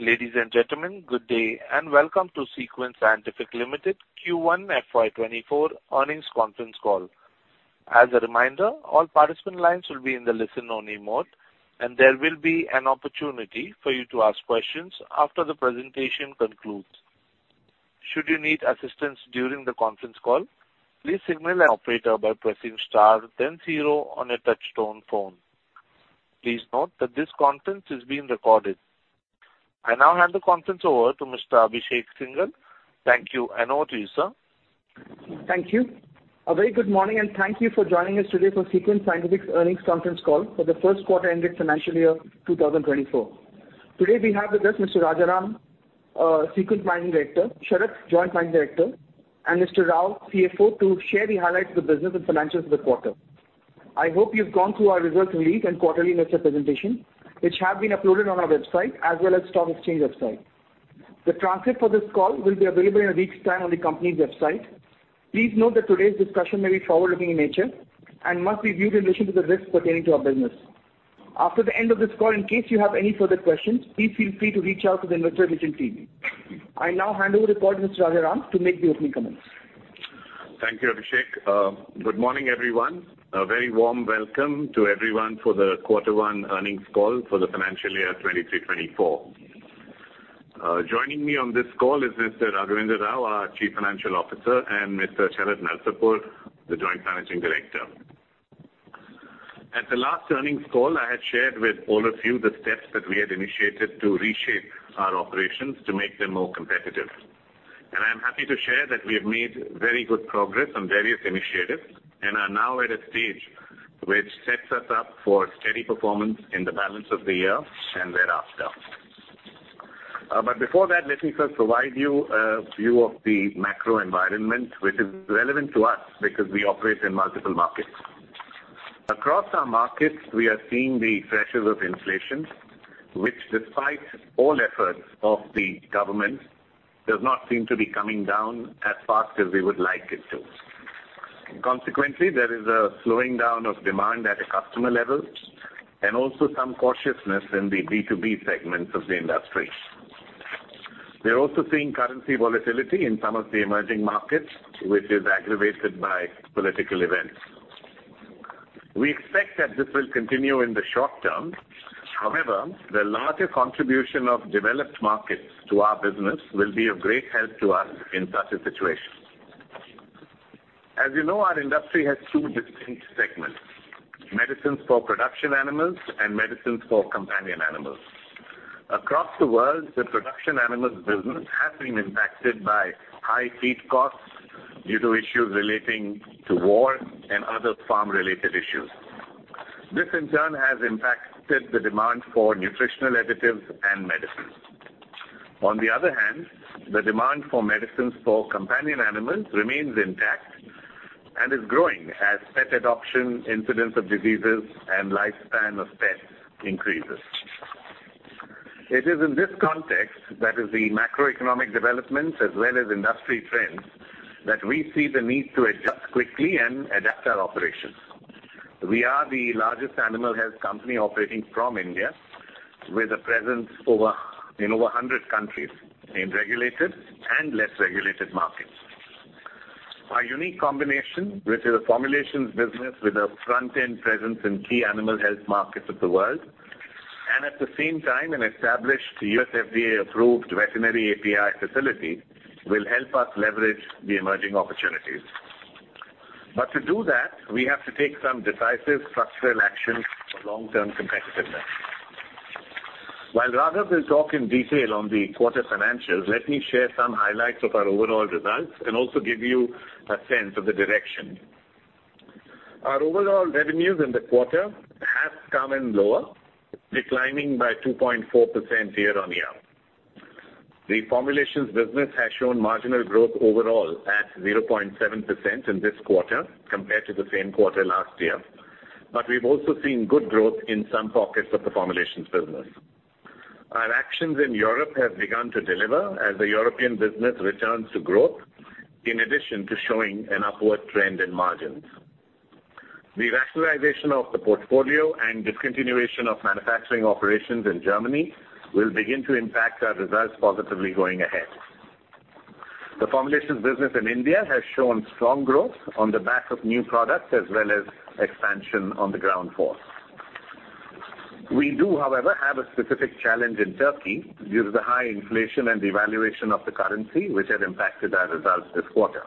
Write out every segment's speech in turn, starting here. Ladies and gentlemen, good day and welcome to SeQuent Scientific Limited Q1 FY 2024 earnings conference call. As a reminder, all participant lines will be in the listen-only mode, and there will be an opportunity for you to ask questions after the presentation concludes. Should you need assistance during the conference call, please signal an operator by pressing star then zero on a touch-tone phone. Please note that this conference is being recorded. I now hand the conference over to Mr. Abhishek Singhal. Thank you, and over to you, sir. Thank you. A very good morning, and thank you for joining us today for SeQuent Scientific's earnings conference call for the first quarter ended financial year 2024. Today, we have with us Mr. Rajaram, SeQuent Managing Director, Sharat, Joint Managing Director, and Mr. Rao, CFO, to share the highlights of the business and financials of the quarter. I hope you've gone through our results release and quarterly investor presentation, which have been uploaded on our website as well as stock exchange website. The transcript for this call will be available in a week's time on the company's website. Please note that today's discussion may be forward-looking in nature and must be viewed in relation to the risks pertaining to our business. After the end of this call, in case you have any further questions, please feel free to reach out to the investor relations team. I now hand over the call to Mr. Rajaram to make the opening comments. Thank you, Abhishek. Good morning, everyone. A very warm welcome to everyone for the Quarter one earnings call for the financial year 2023, 2024. Joining me on this call is Mr. Raghavendra Rao, our Chief Financial Officer, and Mr. Sharat Narasapur, the Joint Managing Director. At the last earnings call, I had shared with all of you the steps that we had initiated to reshape our operations to make them more competitive. I'm happy to share that we have made very good progress on various initiatives and are now at a stage which sets us up for steady performance in the balance of the year and thereafter. Before that, let me first provide you a view of the macro environment, which is relevant to us because we operate in multiple markets. Across our markets, we are seeing the pressures of inflation, which despite all efforts of the government, does not seem to be coming down as fast as we would like it to. Consequently, there is a slowing down of demand at a customer level and also some cautiousness in the B2B segments of the industry. We're also seeing currency volatility in some of the emerging markets, which is aggravated by political events. We expect that this will continue in the short term. However, the larger contribution of developed markets to our business will be of great help to us in such a situation. As you know, our industry has two distinct segments, medicines for production animals and medicines for companion animals. Across the world, the production animals business has been impacted by high feed costs due to issues relating to war and other farm-related issues. This in turn has impacted the demand for nutritional additives and medicines. On the other hand, the demand for medicines for companion animals remains intact and is growing as pet adoption, incidence of diseases, and lifespan of pets increases. It is in this context, that is the macroeconomic developments as well as industry trends, that we see the need to adjust quickly and adapt our operations. We are the largest animal health company operating from India, with a presence in over 100 countries in regulated and less regulated markets. Our unique combination, which is a formulations business with a front-end presence in key animal health markets of the world, and at the same time, an established U.S. FDA-approved veterinary API facility, will help us leverage the emerging opportunities. To do that, we have to take some decisive structural action for long-term competitiveness. While Raghav will talk in detail on the quarter financials, let me share some highlights of our overall results and also give you a sense of the direction. Our overall revenues in the quarter have come in lower, declining by 2.4% year-on-year. The formulations business has shown marginal growth overall at 0.7% in this quarter compared to the same quarter last year. We've also seen good growth in some pockets of the formulations business. Our actions in Europe have begun to deliver as the European business returns to growth, in addition to showing an upward trend in margins. The rationalization of the portfolio and discontinuation of manufacturing operations in Germany will begin to impact our results positively going ahead. The formulations business in India has shown strong growth on the back of new products, as well as expansion on the ground force. We do, however, have a specific challenge in Turkey due to the high inflation and devaluation of the currency, which had impacted our results this quarter.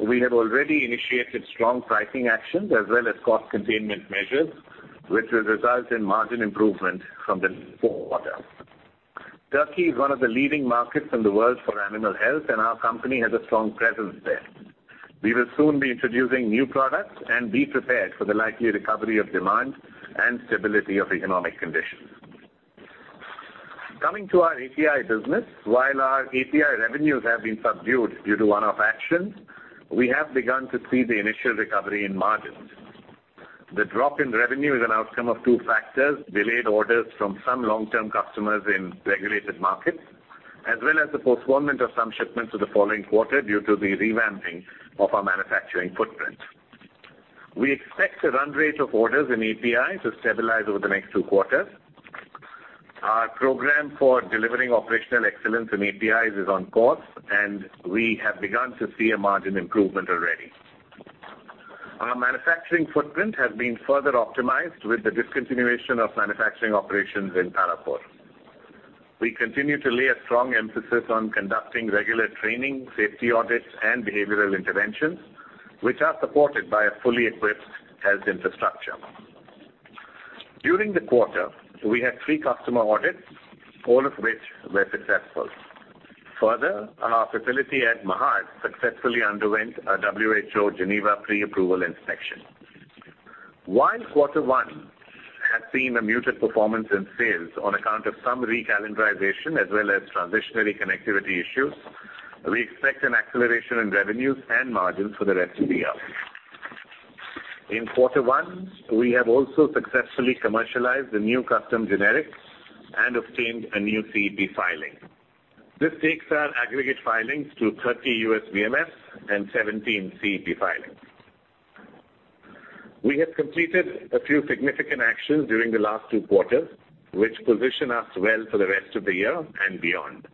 We have already initiated strong pricing actions as well as cost containment measures, which will result in margin improvement from the fourth quarter. Turkey is one of the leading markets in the world for animal health, and our company has a strong presence there. We will soon be introducing new products and be prepared for the likely recovery of demand and stability of economic conditions. Coming to our API business, while our API revenues have been subdued due to one-off actions, we have begun to see the initial recovery in margins. The drop in revenue is an outcome of two factors, delayed orders from some long-term customers in regulated markets, as well as the postponement of some shipments to the following quarter due to the revamping of our manufacturing footprint. We expect the run rate of orders in API to stabilize over the next two quarters. Our program for delivering operational excellence in APIs is on course, and we have begun to see a margin improvement already. Our manufacturing footprint has been further optimized with the discontinuation of manufacturing operations in Tarapur. We continue to lay a strong emphasis on conducting regular training, safety audits, and behavioral interventions, which are supported by a fully equipped health infrastructure. During the quarter, we had three customer audits, all of which were successful. Further, our facility at Mahad successfully underwent a WHO Geneva pre-approval inspection. While quarter one has seen a muted performance in sales on account of some re-calendarization as well as transitionary connectivity issues, we expect an acceleration in revenues and margins for the rest of the year. In quarter one, we have also successfully commercialized a new custom generic and obtained a new CEP filing. This takes our aggregate filings to 30 US VMF and 17 CEP filings. We have completed a few significant actions during the last two quarters, which position us well for the rest of the year and beyond.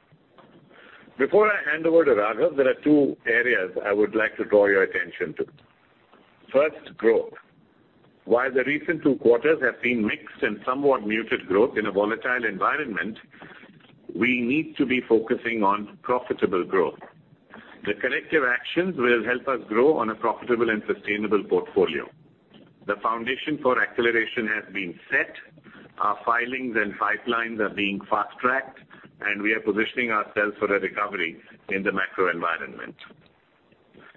Before I hand over to Raghav, there are two areas I would like to draw your attention to. First, growth. While the recent two quarters have seen mixed and somewhat muted growth in a volatile environment, we need to be focusing on profitable growth. The corrective actions will help us grow on a profitable and sustainable portfolio. The foundation for acceleration has been set. Our filings and pipelines are being fast-tracked, and we are positioning ourselves for a recovery in the macro environment.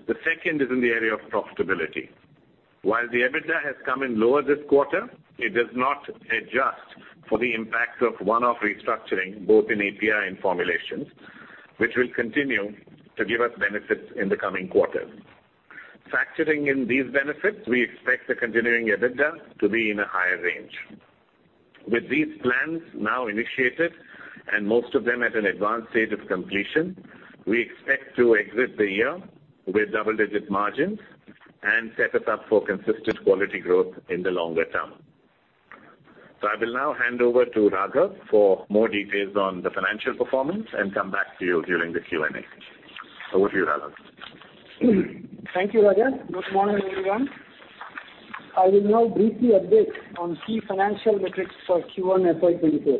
The second is in the area of profitability. While the EBITDA has come in lower this quarter, it does not adjust for the impact of one-off restructuring, both in API and formulations, which will continue to give us benefits in the coming quarters. Factoring in these benefits, we expect the continuing EBITDA to be in a higher range. With these plans now initiated, and most of them at an advanced stage of completion, we expect to exit the year with double-digit margins and set us up for consistent quality growth in the longer term. I will now hand over to Raghav for more details on the financial performance and come back to you during the Q&A. Over to you, Raghav. Thank you, Raja. Good morning, everyone. I will now briefly update on key financial metrics for Q1 FY 2024.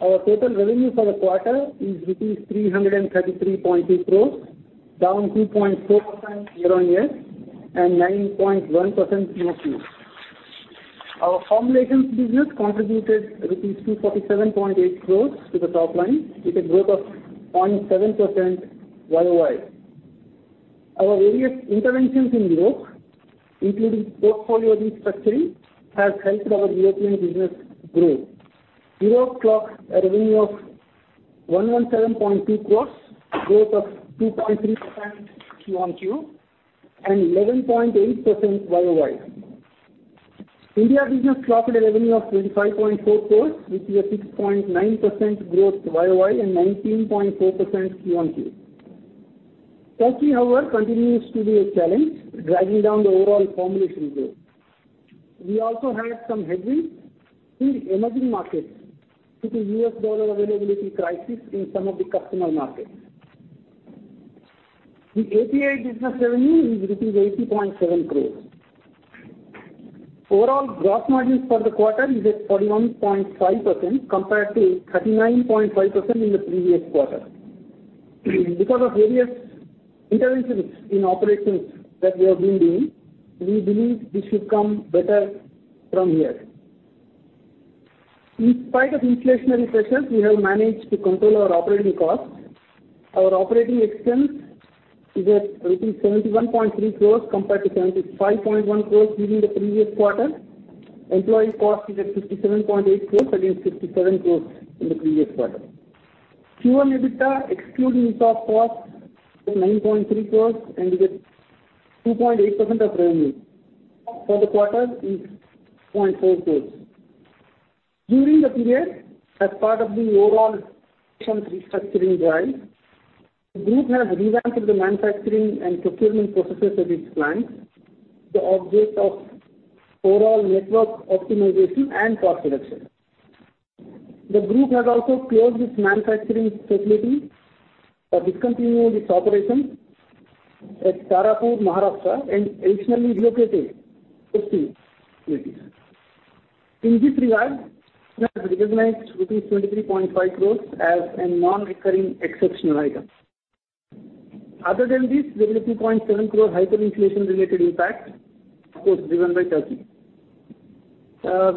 Our total revenue for the quarter is rupees 333.2 crores, down 2.4% YOY and 9.1% QOQ. Our formulations business contributed rupees 247.8 crores to the top line, with a growth of 0.7% YOY. Our various interventions in Europe, including portfolio restructuring, have helped our European business grow. Europe clocked a revenue of 117.2 crores, growth of 2.3% QOQ, and 11.8% YOY. India business clocked a revenue of 25.4 crores, which is a 6.9% growth YOY and 19.4% QOQ. Turkey, however, continues to be a challenge, dragging down the overall formulation growth. We also had some headwinds in emerging markets due to USD availability crisis in some of the customer markets. The API business revenue is rupees 80.7 crores. Overall gross margins for the quarter is at 41.5% compared to 39.5% in the previous quarter. Because of various interventions in operations that we have been doing, we believe this should come better from here. In spite of inflationary pressures, we have managed to control our operating costs. Our operating expense is at rupees 71.3 crore compared to 75.1 crore during the previous quarter. Employee cost is at 57.8 crore against 67 crore in the previous quarter. Q1 EBITDA, excluding stock compensation costs, was 9.3 crore and is at 2.8% of revenue for the quarter is 0.4 crore. During the period, as part of the overall restructuring drive, the group has revamped the manufacturing and procurement processes at its plants with the object of overall network optimization and cost reduction. The group has also closed its manufacturing facility for discontinuing its operations at Tarapur, Maharashtra, and additionally relocated facilities. In this regard, we have recognized rupees 23.5 crores as a non-recurring exceptional item. Other than this, there was 2.7 crore hyperinflation-related impact, of course, driven by Turkey.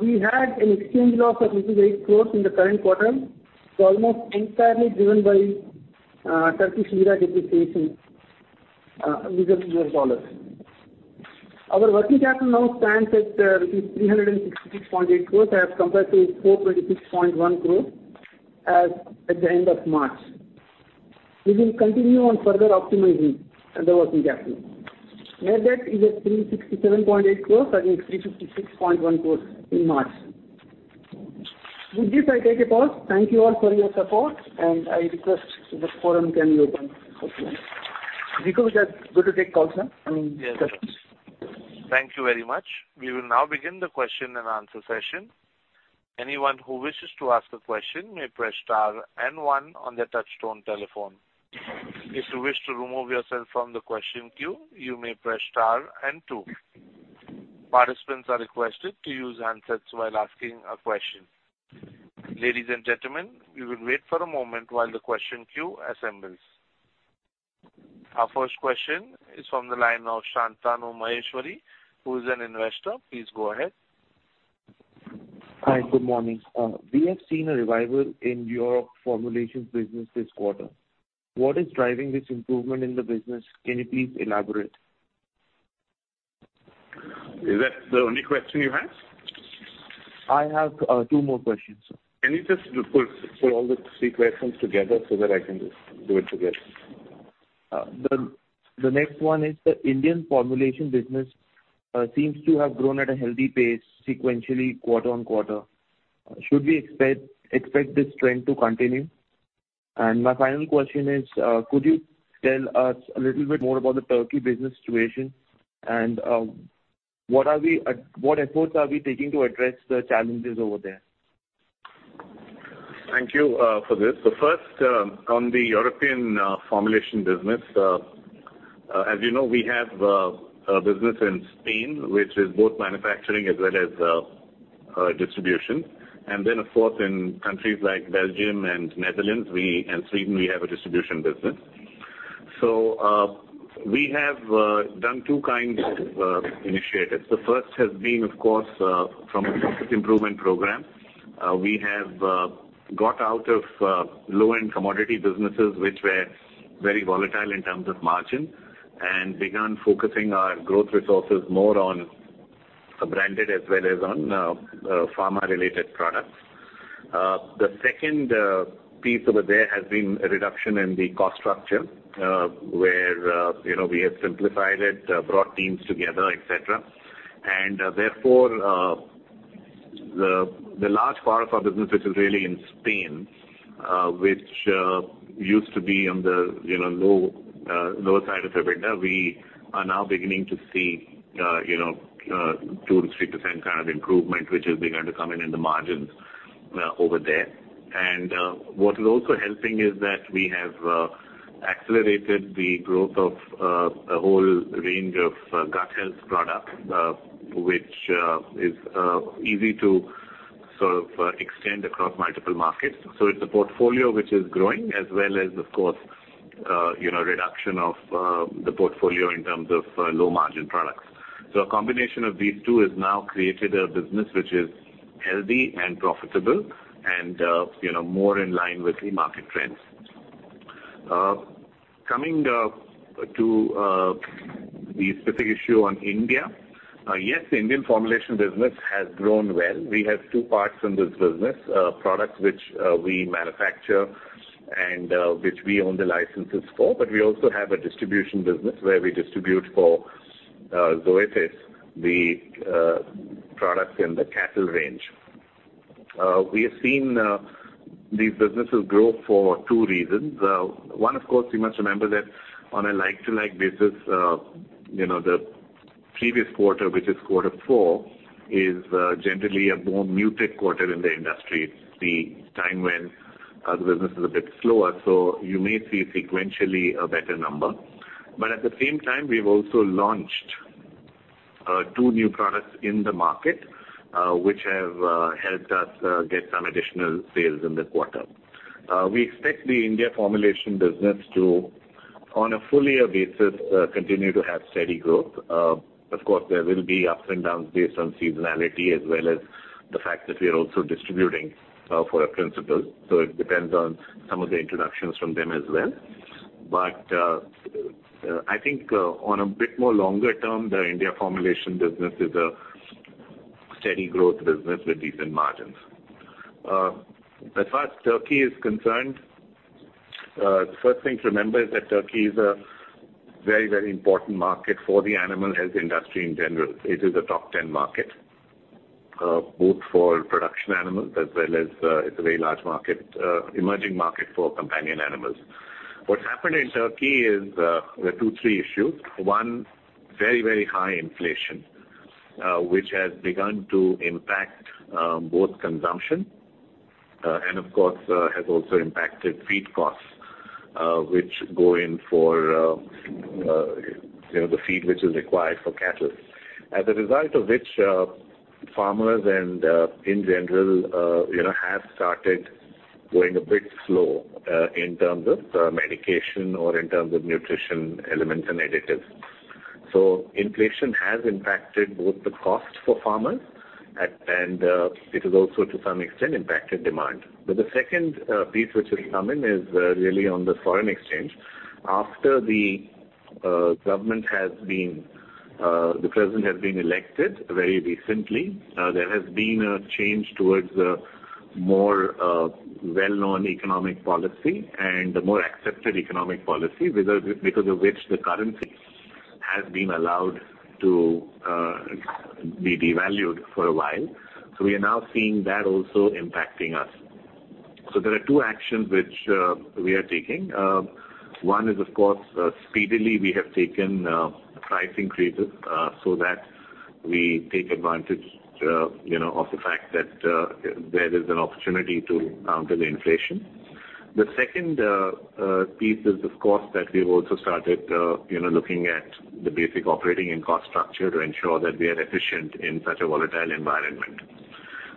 We had an exchange loss of rupees 8 crores in the current quarter. It's almost entirely driven by Turkish lira depreciation against USD. Our working capital now stands at rupees 366.8 crores as compared to 426.1 crores at the end of March. We will continue on further optimizing the working capital. Debt is at 367.8 crores against 356.1 crores in March. With this, I take a pause. Thank you all for your support, and I request that the forum can be open for questions. Vikas, do you take calls now? Yes. Thank you very much. We will now begin the question and answer session. Anyone who wishes to ask a question may press star and one on their touchtone telephone. If you wish to remove yourself from the question queue, you may press star and two. Participants are requested to use handsets while asking a question. Ladies and gentlemen, we will wait for a moment while the question queue assembles. Our first question is from the line of Shantanu Maheshwari, who is an investor. Please go ahead. Hi, good morning. We have seen a revival in your formulations business this quarter. What is driving this improvement in the business? Can you please elaborate? Is that the only question you have? I have two more questions. Can you just put all the three questions together so that I can do it together? The next one is the Indian formulation business seems to have grown at a healthy pace sequentially quarter-over-quarter. Should we expect this trend to continue? My final question is, could you tell us a little bit more about the Turkey business situation, and what efforts are we taking to address the challenges over there? Thank you for this. First, on the European formulation business, as you know, we have a business in Spain, which is both manufacturing as well as distribution. Then, of course, in countries like Belgium and Netherlands, and Sweden, we have a distribution business. We have done two kinds of initiatives. The first has been, of course, from a profit improvement program. We have got out of low-end commodity businesses, which were very volatile in terms of margin, and begun focusing our growth resources more on branded as well as on pharma-related products. The second piece over there has been a reduction in the cost structure, where we have simplified it, brought teams together, et cetera. Therefore, the large part of our business, which is really in Spain, which used to be on the lower side of EBITDA, we are now beginning to see 2%-3% kind of improvement, which is beginning to come in in the margins over there. What is also helping is that we have accelerated the growth of a whole range of gut health products, which is easy to sort of extend across multiple markets. It's a portfolio which is growing as well as, of course, reduction of the portfolio in terms of low-margin products. A combination of these two has now created a business which is healthy and profitable and more in line with the market trends. Coming to the specific issue on India. Yes, the Indian formulation business has grown well. We have two parts in this business, products which we manufacture and which we own the licenses for, but we also have a distribution business where we distribute for Zoetis, the products in the cattle range. We have seen these businesses grow for two reasons. One, of course, you must remember that on a like-to-like basis, the previous quarter, which is quarter four, is generally a more muted quarter in the industry. It's the time when the business is a bit slower, so you may see sequentially a better number. At the same time, we've also launched two new products in the market, which have helped us get some additional sales in this quarter. We expect the India formulation business to, on a full year basis, continue to have steady growth. Of course, there will be ups and downs based on seasonality as well as the fact that we are also distributing for our principals. It depends on some of the introductions from them as well. I think on a bit more longer term, the India formulation business is a steady growth business with decent margins. As far as Turkey is concerned, the first thing to remember is that Turkey is a very important market for the animal health industry in general. It is a top 10 market, both for production animals as well as it's a very large market, emerging market for companion animals. What happened in Turkey is there are two, three issues. One, very high inflation, which has begun to impact both consumption and, of course, has also impacted feed costs, which go in for the feed which is required for cattle. As a result of which, farmers and in general, have started going a bit slow in terms of medication or in terms of nutrition elements and additives. Inflation has impacted both the cost for farmers, and it has also to some extent impacted demand. The second piece which will come in is really on the foreign exchange. After the president has been elected very recently, there has been a change towards a more well-known economic policy and a more accepted economic policy because of which the currency has been allowed to be devalued for a while. We are now seeing that also impacting us. There are two actions which we are taking. One is, of course, speedily we have taken price increases so that we take advantage of the fact that there is an opportunity to counter the inflation. The second piece is, of course, that we've also started looking at the basic operating and cost structure to ensure that we are efficient in such a volatile environment.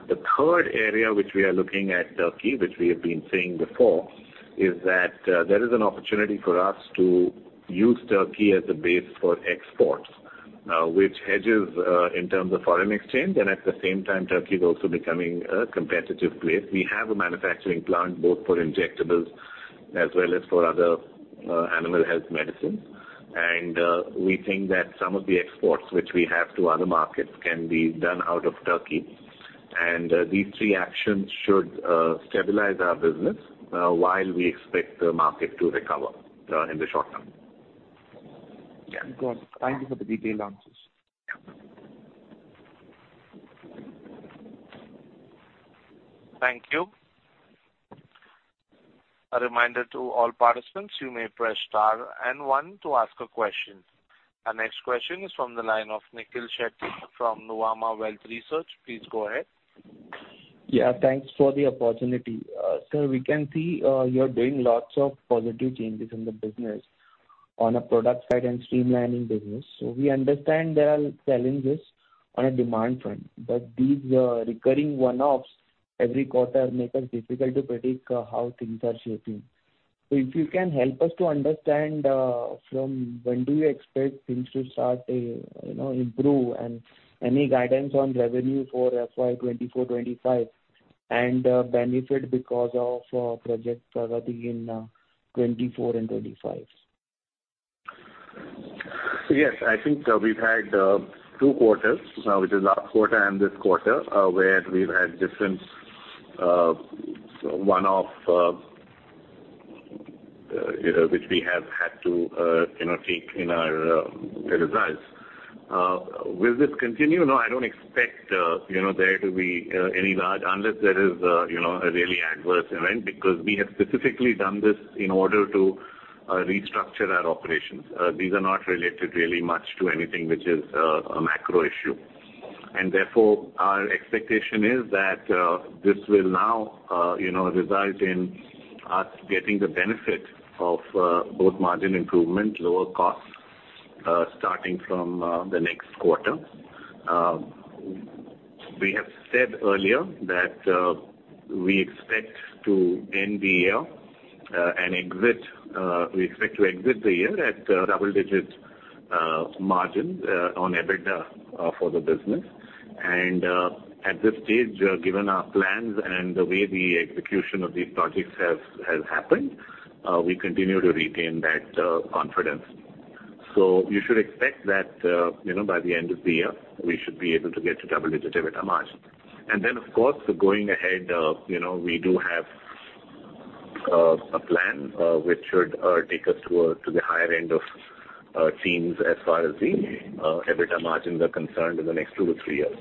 The third area which we are looking at Turkey, which we have been saying before, is that there is an opportunity for us to use Turkey as a base for exports, which hedges in terms of foreign exchange. At the same time, Turkey is also becoming a competitive place. We have a manufacturing plant both for injectables as well as for other animal health medicines. We think that some of the exports which we have to other markets can be done out of Turkey. These three actions should stabilize our business while we expect the market to recover in the short term. Yeah. Got it. Thank you for the detailed answers. Yeah. Thank you. A reminder to all participants, you may press star and one to ask a question. Our next question is from the line of Nikhil Shetty from Nuvama Wealth Management. Please go ahead. Yeah, thanks for the opportunity. Sir, we can see you're doing lots of positive changes in the business on a product side and streamlining business. We understand there are challenges on a demand front, but these recurring one-offs every quarter make us difficult to predict how things are shaping. If you can help us to understand from when do you expect things to start to improve and any guidance on revenue for FY 2024, 2025 and benefit because of Project Pragati in 2024 and 2025? Yes. I think we've had two quarters, which is last quarter and this quarter, where we've had different one-off, which we have had to take in our results. Will this continue? No, I don't expect there to be any large, unless there is a really adverse event, because we have specifically done this in order to restructure our operations. These are not related really much to anything which is a macro issue. Therefore, our expectation is that this will now result in us getting the benefit of both margin improvement, lower costs, starting from the next quarter. We have said earlier that we expect to end the year and we expect to exit the year at double-digit margins on EBITDA for the business. At this stage, given our plans and the way the execution of these projects has happened, we continue to retain that confidence. You should expect that by the end of the year, we should be able to get to double-digit EBITDA margin. Then, of course, going ahead, we do have a plan which should take us to the higher end of teams as far as the EBITDA margins are concerned in the next 2 to 3 years.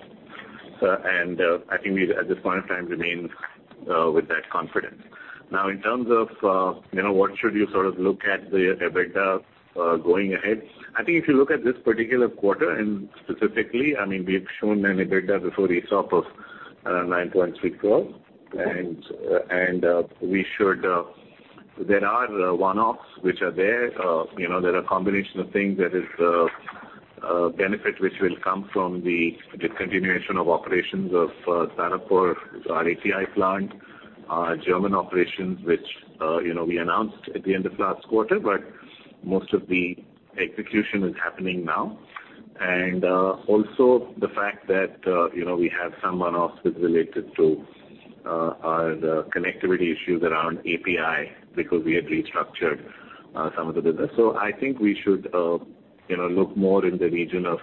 I think we, at this point of time, remain with that confidence. In terms of what should you sort of look at the EBITDA going ahead, I think if you look at this particular quarter, and specifically, we have shown an EBITDA before stock compensation costs of 9.3 crore. There are one-offs which are there. There are a combination of things. There is a benefit which will come from the discontinuation of operations of Tarapur, our API plant, our German operations, which we announced at the end of last quarter, but most of the execution is happening now. Also the fact that we have some one-offs which related to our connectivity issues around API, because we had restructured some of the business. I think we should look more in the region of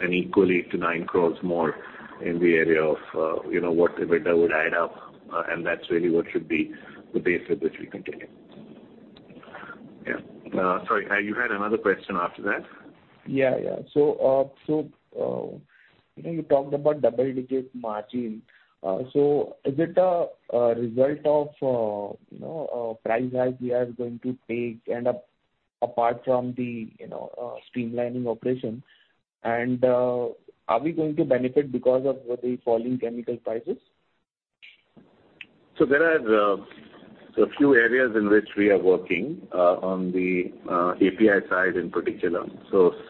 an equally to 9 crore more in the area of what EBITDA would add up. That's really what should be the base with which we continue. Yeah. Sorry, you had another question after that? Yeah. You talked about double-digit margin. Is it a result of price hike we are going to take and apart from the streamlining operation? Are we going to benefit because of the falling chemical prices? There are a few areas in which we are working on the API side in particular.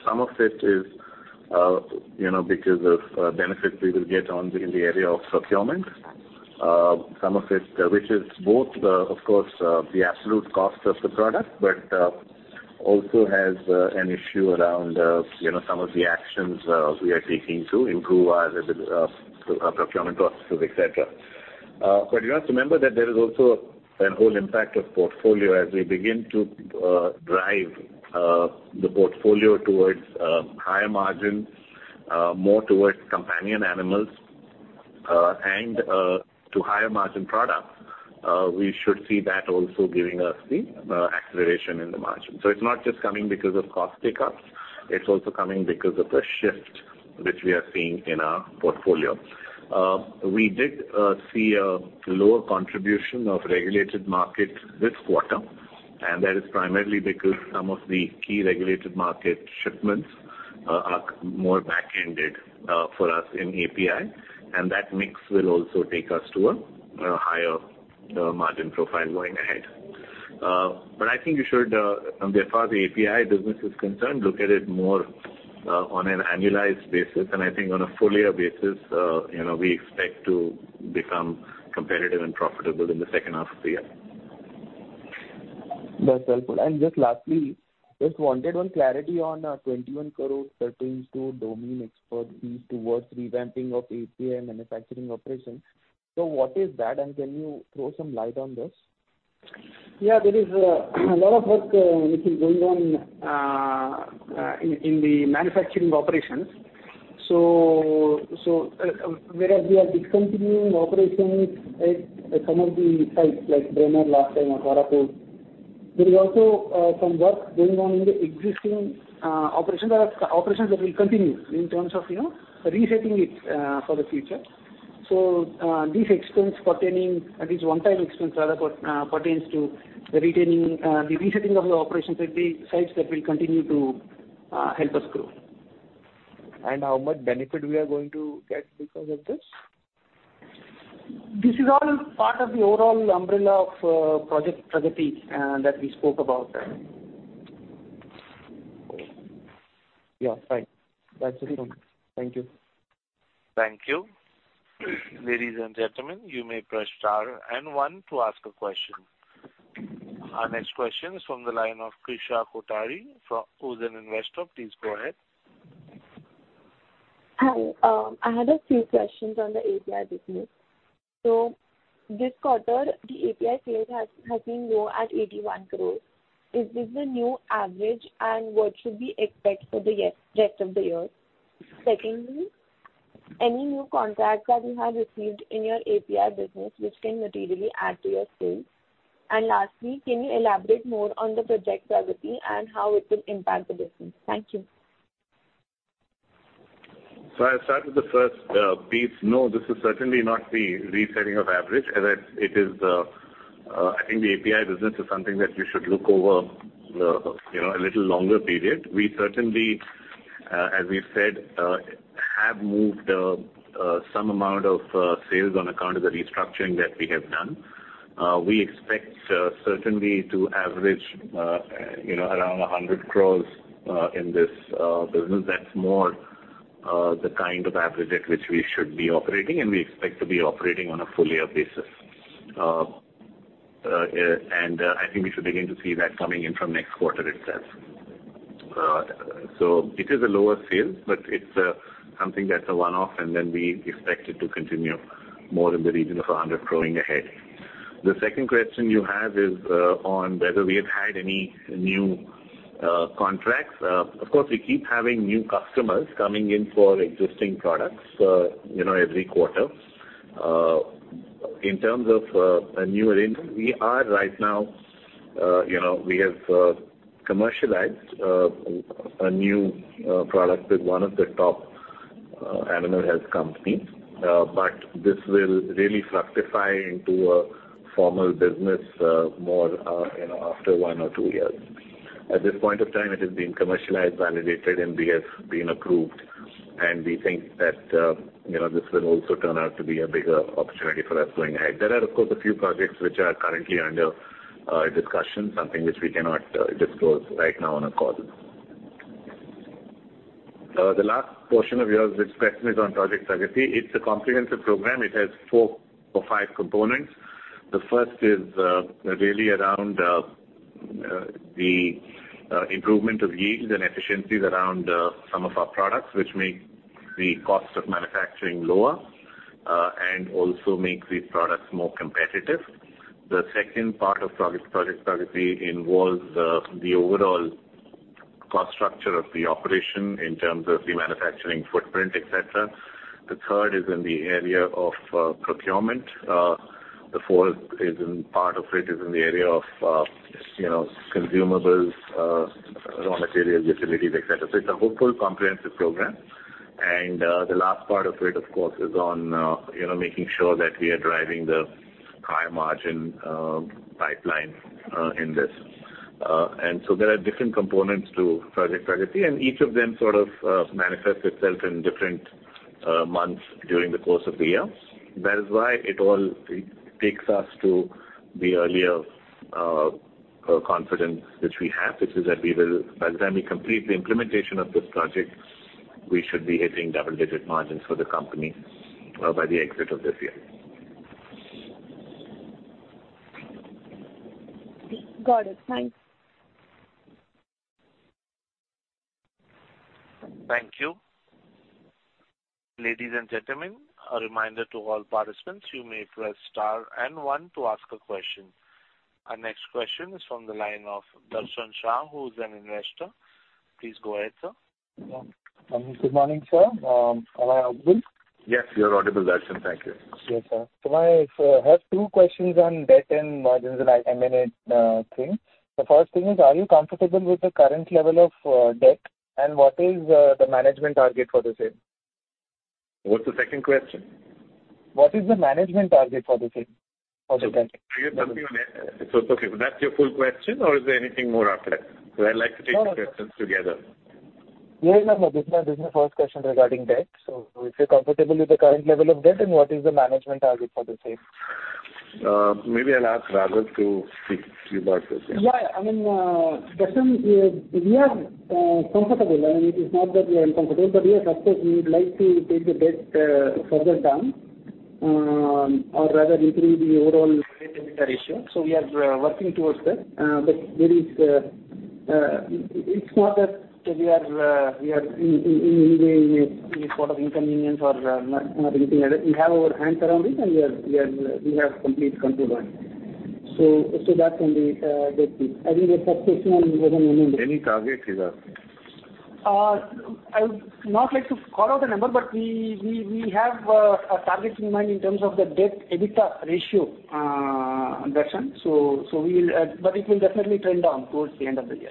Some of it is because of benefits we will get in the area of procurement. Some of it, which is both, of course, the absolute cost of the product, but also has an issue around some of the actions we are taking to improve our procurement processes, et cetera. You have to remember that there is also a whole impact of portfolio as we begin to drive the portfolio towards higher margins, more towards companion animals and to higher margin products, we should see that also giving us the acceleration in the margin. It's not just coming because of cost takeout, it's also coming because of the shift which we are seeing in our portfolio. We did see a lower contribution of regulated markets this quarter, and that is primarily because some of the key regulated market shipments are more back-ended for us in API, and that mix will also take us to a higher margin profile going ahead. I think you should, as far as the API business is concerned, look at it more on an annualized basis. I think on a full year basis we expect to become competitive and profitable in the second half of the year. That's helpful. Just lastly, just wanted one clarity on 21 crore pertains to domain expertise towards revamping of API manufacturing operations. What is that, and can you throw some light on this? Yeah, there is a lot of work which is going on in the manufacturing operations. Whereas we are discontinuing operations at some of the sites like Brahmapur last time or Kharagpur, there is also some work going on in the existing operations or operations that will continue in terms of resetting it for the future. This expense pertaining, this one-time expense rather, pertains to the resetting of the operations at the sites that will continue to help us grow. How much benefit we are going to get because of this? This is all part of the overall umbrella of Project Pragati that we spoke about. Yeah, right. That's enough. Thank you. Thank you. Ladies and gentlemen, you may press star and one to ask a question. Our next question is from the line of Krish Kothari from [ozen] Investor. Please go ahead. Hi. I had a few questions on the API business. This quarter, the API sales has been low at 81 crore. Is this the new average, and what should we expect for the rest of the year? Secondly, any new contracts that you have received in your API business which can materially add to your sales? Lastly, can you elaborate more on the Project Pragati and how it will impact the business? Thank you. I'll start with the first piece. No, this is certainly not the resetting of average. I think the API business is something that you should look over a little longer period. We certainly, as we've said, have moved some amount of sales on account of the restructuring that we have done. We expect certainly to average around 100 crore in this business. That's more the kind of average at which we should be operating, and we expect to be operating on a full year basis. I think we should begin to see that coming in from next quarter itself. It is a lower sale, but it's something that's a one-off, and then we expect it to continue more in the region of 100 crore going ahead. The second question you have is on whether we have had any new contracts. Of course, we keep having new customers coming in for existing products every quarter. In terms of a new arrangement, we are right now, we have commercialized a new product with one of the top animal health companies. This will really fructify into a formal business more after one or two years. At this point of time, it has been commercialized, validated, and we have been approved, and we think that this will also turn out to be a bigger opportunity for us going ahead. There are, of course, a few projects which are currently under discussion, something which we cannot disclose right now on a call. The last portion of your question is on Project Pragati. It's a comprehensive program. It has four or five components. The first is really around the improvement of yields and efficiencies around some of our products, which make the cost of manufacturing lower and also make these products more competitive. The second part of Project Pragati involves the overall cost structure of the operation in terms of the manufacturing footprint, et cetera. The third is in the area of procurement. The fourth part of it is in the area of consumables, raw materials, utilities, et cetera. It's a whole comprehensive program. The last part of it, of course, is on making sure that we are driving the high margin pipeline in this. There are different components to Project Pragati, and each of them sort of manifests itself in different months during the course of the year. That is why it all takes us to the earlier confidence which we have, which is that we will, by the time we complete the implementation of this project, we should be hitting double-digit margins for the company by the exit of this year. Got it. Thanks. Thank you. Ladies and gentlemen, a reminder to all participants, you may press star and one to ask a question. Our next question is from the line of Darshan Shah, who is an investor. Please go ahead, sir. Good morning, sir. Am I audible? Yes, you are audible, Darshan. Thank you. Yes, sir. I have two questions on debt and margins and M&A thing. The first thing is, are you comfortable with the current level of debt, and what is the management target for the same? What's the second question? What is the management target for the debt? Are you jumping on it? It's okay. That's your full question, or is there anything more after that? I like to take the questions together. This is my first question regarding debt. If you're comfortable with the current level of debt, and what is the management target for the same? Maybe I'll ask Raghav to speak to you about this. Yeah. Darshan, we are comfortable. I mean, it is not that we are uncomfortable, but yes, of course, we would like to take the debt further down, or rather improve the overall debt-to-EBITDA ratio. We are working towards that. It's not that we are in any sort of inconvenience or anything like that. We have our hands around it, and we have complete control on it. That can be dealt with. I think that's the first one. Any target you have? We have a target in mind in terms of the debt-to-EBITDA ratio, Darshan. It will definitely trend down towards the end of the year.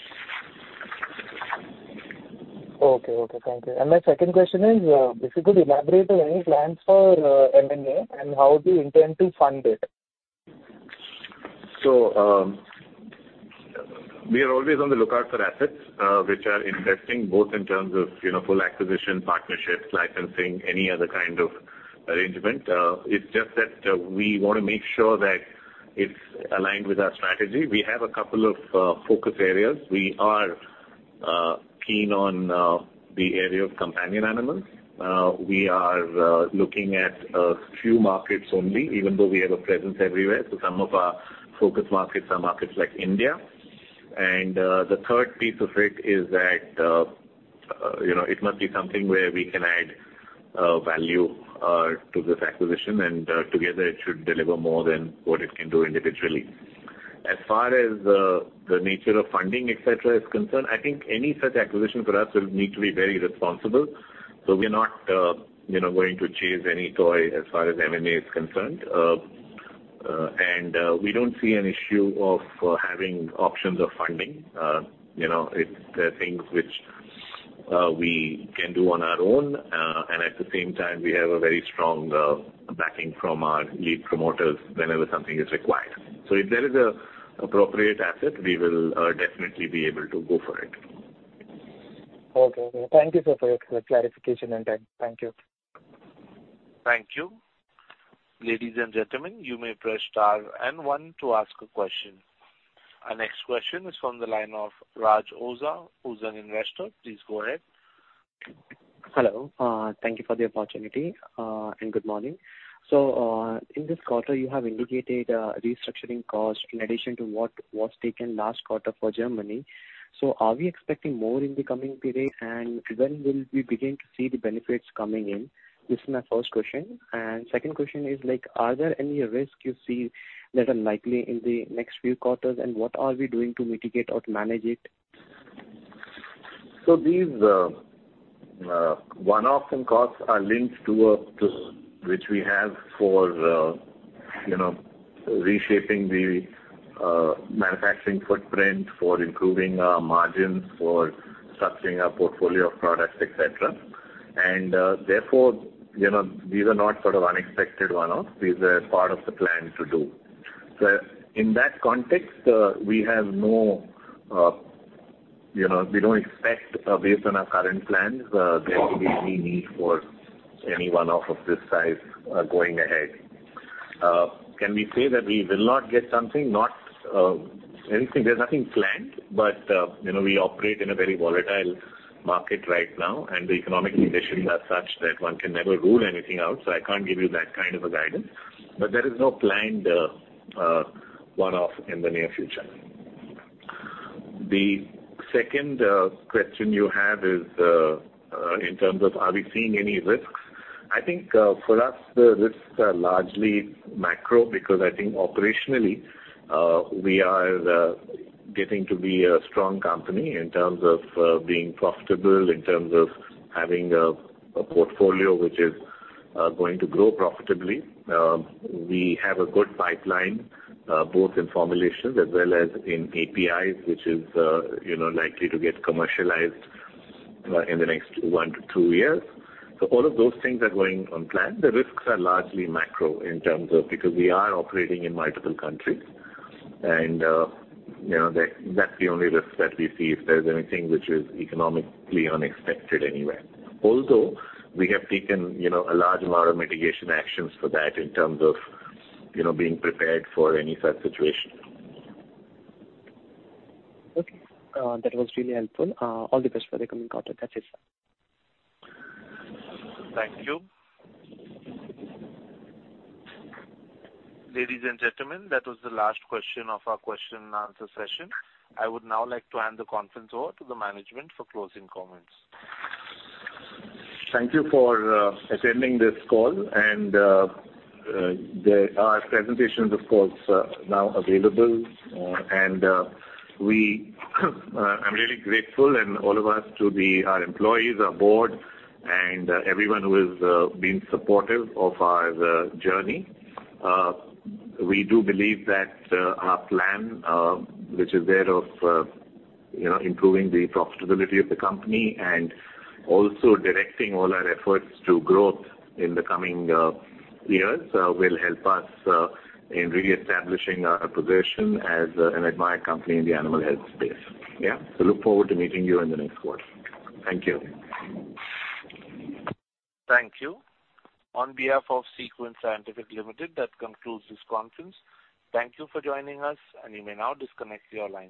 Okay. Thank you. My second question is, if you could elaborate on any plans for M&A and how do you intend to fund it? We are always on the lookout for assets which are interesting, both in terms of full acquisition, partnerships, licensing, any other kind of arrangement. It's just that we want to make sure that it's aligned with our strategy. We have a couple of focus areas. We are keen on the area of companion animals. We are looking at a few markets only, even though we have a presence everywhere. Some of our focus markets are markets like India. The third piece of it is that it must be something where we can add value to this acquisition, and together it should deliver more than what it can do individually. As far as the nature of funding, et cetera, is concerned, I think any such acquisition for us will need to be very responsible. We're not going to chase any toy as far as M&A is concerned. We don't see an issue of having options of funding. There are things which we can do on our own. At the same time, we have a very strong backing from our lead promoters whenever something is required. If there is an appropriate asset, we will definitely be able to go for it. Okay. Thank you, sir, for your clarification and time. Thank you. Thank you. Ladies and gentlemen, you may press star and one to ask a question. Our next question is from the line of Raj Oza, who is an investor. Please go ahead. Hello. Thank you for the opportunity, and good morning. In this quarter, you have indicated a restructuring cost in addition to what was taken last quarter for Germany. Are we expecting more in the coming period, and when will we begin to see the benefits coming in? This is my first question. Second question is, are there any risks you see that are likely in the next few quarters, and what are we doing to mitigate or manage it? These one-off costs are linked to which we have for reshaping the manufacturing footprint, for improving our margins, for structuring our portfolio of products, et cetera. Therefore, these are not sort of unexpected one-offs. These are part of the plan to do. In that context, we don't expect, based on our current plans, there to be any need for any one-off of this size going ahead. Can we say that we will not get something? There's nothing planned, but we operate in a very volatile market right now, and the economic conditions are such that one can never rule anything out. I can't give you that kind of a guidance. There is no planned one-off in the near future. The second question you have is in terms of are we seeing any risks. I think for us, the risks are largely macro because I think operationally, we are getting to be a strong company in terms of being profitable, in terms of having a portfolio which is going to grow profitably. We have a good pipeline, both in formulations as well as in APIs, which is likely to get commercialized in the next one to two years. All of those things are going on plan. The risks are largely macro because we are operating in multiple countries, and that's the only risk that we see, if there's anything which is economically unexpected anywhere. Although, we have taken a large amount of mitigation actions for that in terms of being prepared for any such situation. Okay. That was really helpful. All the best for the coming quarter. That's it, sir. Thank you. Ladies and gentlemen, that was the last question of our question and answer session. I would now like to hand the conference over to the management for closing comments. Thank you for attending this call, our presentation, of course, now available. I'm really grateful, and all of us, to our employees, our board, and everyone who has been supportive of our journey. We do believe that our plan, which is that of improving the profitability of the company and also directing all our efforts to growth in the coming years will help us in reestablishing our position as an admired company in the animal health space. Yeah. Look forward to meeting you in the next quarter. Thank you. Thank you. On behalf of SeQuent Scientific Limited, that concludes this conference. Thank you for joining us, and you may now disconnect your lines.